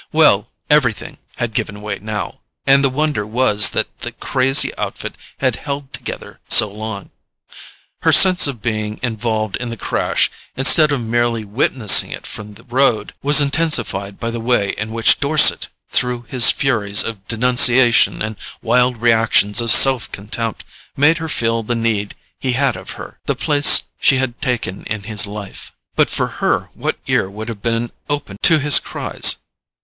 Well—everything had given way now; and the wonder was that the crazy outfit had held together so long. Her sense of being involved in the crash, instead of merely witnessing it from the road, was intensified by the way in which Dorset, through his furies of denunciation and wild reactions of self contempt, made her feel the need he had of her, the place she had taken in his life. But for her, what ear would have been open to his cries?